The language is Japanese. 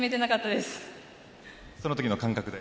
そのときの感覚で？